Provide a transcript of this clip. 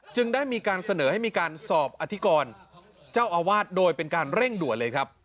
ได้มีการเสนอให้มีการสอบอธิกรเจ้าอาวาสโดยเป็นการเร่งด่วนเลยครับ